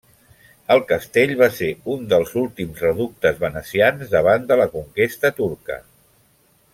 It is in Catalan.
El castell va ser un dels últims reductes venecians davant de la conquesta turca.